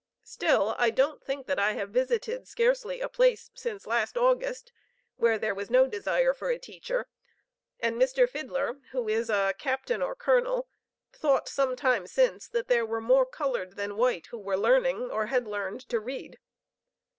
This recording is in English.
Still I don't think that I have visited scarcely a place since last August where there was no desire for a teacher; and Mr. Fidler, who is a Captain or Colonel, thought some time since that there were more colored than white who were learning or had learned to read.